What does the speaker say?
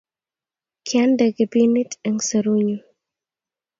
kiandene kipinit eng' serunyu